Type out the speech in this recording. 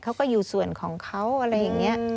เขาก็อยู่ส่วนของเขาอะไรอย่างนี้